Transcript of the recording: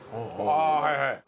あはいはい。